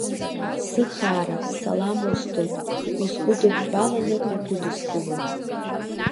Сыхаара, салам усҭоит, усгәыдыҳәҳәаланы угәыдыскылоит.